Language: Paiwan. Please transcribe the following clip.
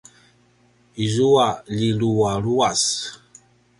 izua ljilualuas